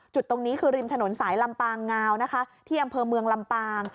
จุดตรงนี้คือริมถนนสายลำปางงาวนะคะที่อำเภอเมืองลำปาง